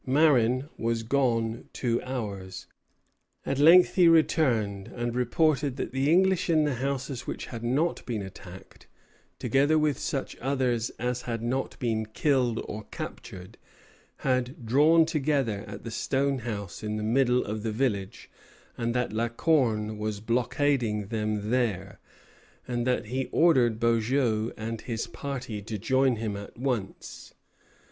Marin was gone two hours. At length he returned, and reported that the English in the houses which had not been attacked, together with such others as had not been killed or captured, had drawn together at the stone house in the middle of the village, that La Corne was blockading them there, and that he ordered Beaujeu and his party to join him at once.